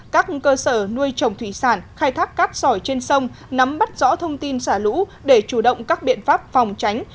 các cơ sở nuôi trồng thủy sản khai thác cát sỏi trên sông nắm bắt rõ thông tin xả lũ để chủ động các biện pháp phòng tránh